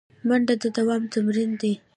منډه د دوام تمرین دی